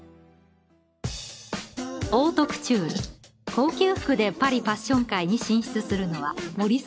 高級服でパリファッション界に進出するのは森さんが初めて。